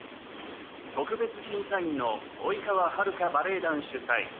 特別審査員の生川はるかバレエ団主宰